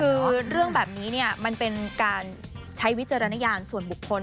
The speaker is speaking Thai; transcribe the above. คือเรื่องแบบนี้เนี่ยมันเป็นการใช้วิจารณญาณส่วนบุคคล